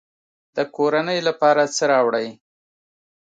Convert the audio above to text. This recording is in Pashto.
د کورنۍ لپاره څه راوړئ؟